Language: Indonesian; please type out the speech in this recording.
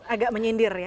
agak menyindir ya